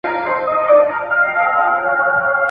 وېره ..